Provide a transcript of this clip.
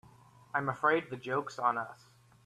I'm afraid the joke's on us.